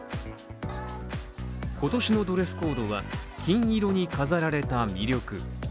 今年のドレスコードは「金色に飾られた魅力」。